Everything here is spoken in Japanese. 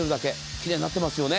奇麗になってますよね。